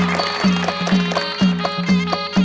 สวัสดีครับ